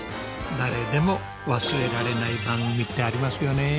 誰でも忘れられない番組ってありますよね。